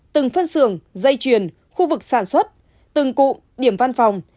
từng phân xưởng dây chuyền khu vực sản xuất từng cụm điểm văn phòng